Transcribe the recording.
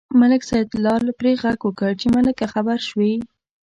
ملک سیدلال پرې غږ وکړ چې ملکه خبر شوې.